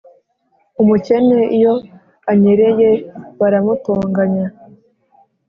umukene iyo anyereye, baramutonganya,